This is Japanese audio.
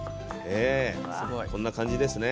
ええこんな感じですね。